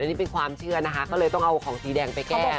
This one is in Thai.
นี่เป็นความเชื่อนะคะก็เลยต้องเอาของสีแดงไปแก้